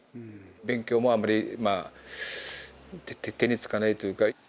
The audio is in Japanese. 勉強もあんまりまあ手につかないというか。